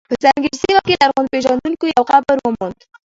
په سنګیر سیمه کې لرغونپېژندونکو یو قبر وموند.